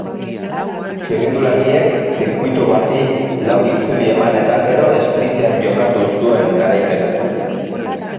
Txirrindulariek zirkuitu bati lau itzuli eman eta gero esprintean jokatu zuen garaipena.